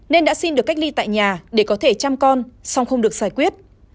nên đã xin được cách ly tại nhà để có thể chăm con song không được giải quyết